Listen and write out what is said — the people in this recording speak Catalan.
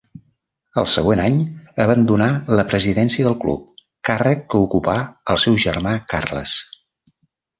El següent any abandonà la presidència del club, càrrec que ocupà el seu germà Carles.